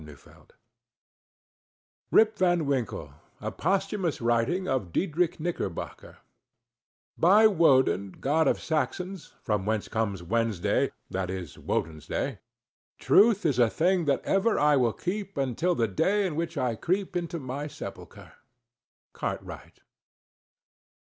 ][Pg 1] RIP VAN WINKLE A POSTHUMOUS WRITING OF DIEDRICH KNICKERBOCKER By Woden, God of Saxons, From whence comes Wensday, that is Wodensday, Truth is a thing that ever I will keep Unto thylke day in which I creep into My sepulchre— Cartwright.